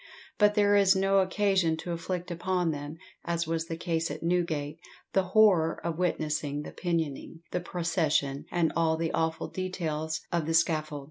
But there is no occasion to inflict upon them, as was the case at Newgate, the horror of witnessing the pinioning, the procession, and all the awful details of the scaffold.